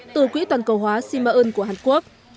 từ quỹ toàn cầu hóa si ma ơn của hàn quốc